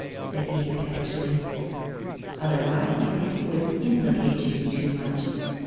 ' said he pettishly. ' Otherwise you think it would implicate you too much.